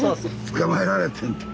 捕まえられてんって。